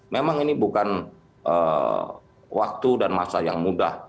memang ini bukan waktu dan masa yang mudah